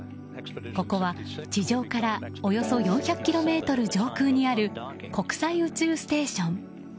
ここは地上からおよそ４００ｋｍ上空にある国際宇宙ステーション。